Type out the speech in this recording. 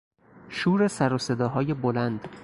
شور سروصداهای بلند